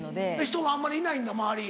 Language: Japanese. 人があんまりいないんだ周り。